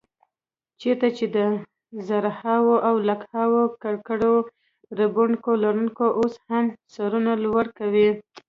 چېرته چې د زرهاو او لکهاوو ککرو ریبونکي لرونه اوس هم سرونه لو کوي.